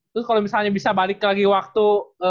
terus kalau misalnya bisa balik lagi waktu